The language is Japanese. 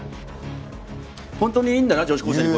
本当にいいんだな女子高生に。